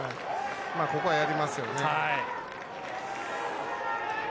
ここはやりますよね。